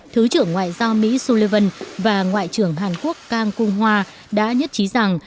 thứ trưởng ngoại giao mỹ sullivan và ngoại trưởng hàn quốc kang kung hoa đã nhất trí rằng